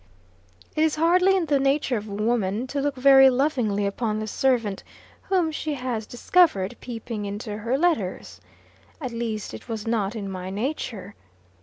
It is hardly in the nature of woman to look very lovingly upon the servant whom she has discovered peeping into her letters. At least, it was not in my nature.